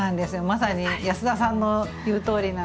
まさに安田さんの言うとおりなんです。